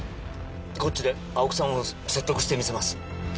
こっちで青木さんを説得してみせます。